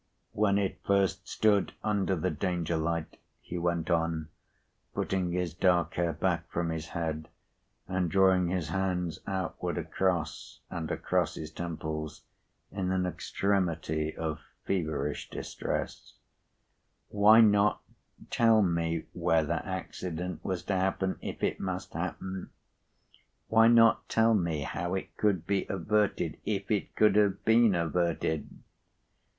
"When it first stood under the Danger light," he went on, putting his dark hair back from his head, and drawing his hands outward across and across his temples in an extremity of feverish distress, "why not tell me where that accident was to happen—if it must happen? Why not tell me how it could be averted—if it could have been averted?